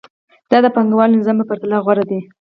دا د پانګوال نظام په پرتله غوره دی